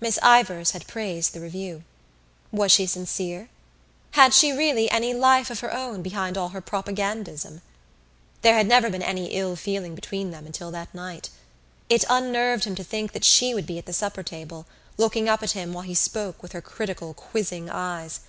Miss Ivors had praised the review. Was she sincere? Had she really any life of her own behind all her propagandism? There had never been any ill feeling between them until that night. It unnerved him to think that she would be at the supper table, looking up at him while he spoke with her critical quizzing eyes.